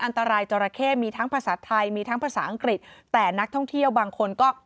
อันตรายจราเข้มีทั้งภาษาไทยมีทั้งภาษาอังกฤษแต่นักท่องเที่ยวบางคนก็